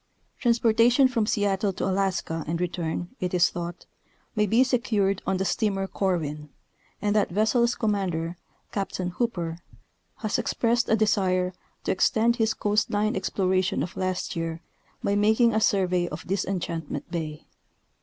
Transportation from Seattle to Alaska and return, it is thought, may be secured on the steamer Corwin, and that vessel's com mander, Captain Hooper, has expressed a desire to extend his coast line exploration of last year by making a survey of Dis enchantment bay.